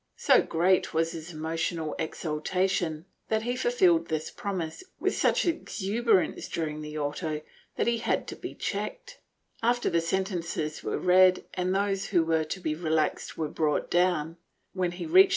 ^ So great was his emotional exaltation that he fulfilled this promise with such exuberance during the auto that he had to be checked. After the sentences were read and those who were to be relaxed were brought down, when he reached the lowest step > Archive de Simancas, Inq.